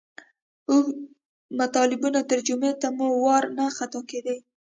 اوږدو مطالبو ترجمې ته مو وار نه خطا کېدئ.